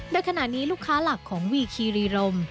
โดยขณะนี้ลูกค้าหลักของวีคีรีรม